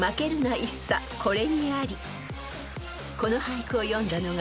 ［この俳句を詠んだのが］